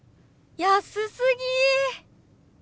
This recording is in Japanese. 安すぎ！